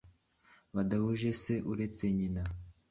badahuje se uretse nyina